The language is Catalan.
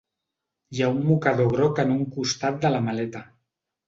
Hi ha un mocador groc en un costat de la maleta.